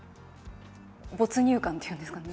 没入感っていうんですかね。